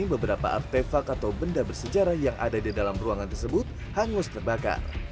beberapa artefak atau benda bersejarah yang ada di dalam ruangan tersebut hangus terbakar